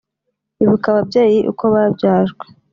ibuka ababyeyi uko babyajwe